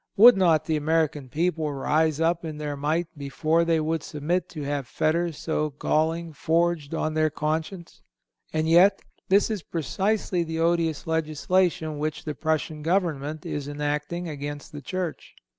Would not the American people rise up in their might before they would submit to have fetters so galling forged on their conscience? And yet this is precisely the odious legislation which the Prussian government is enacting against the Church.